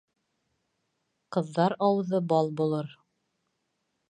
Ҡыҙҙар ауыҙы бал булыр.